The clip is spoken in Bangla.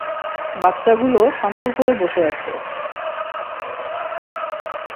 বাচ্চাগুলো শান্ত হয়ে বসে আছে।